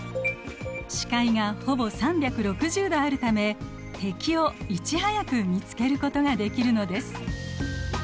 視界がほぼ３６０度あるため敵をいち早く見つけることができるのです。